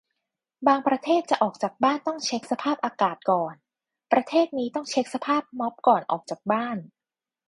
บางประเทศจะออกจากบ้านต้องเช็คสภาพอากาศก่อน ประเทศนี้ต้องเช็คสภาพม็อบก่อน ออกจากบ้าน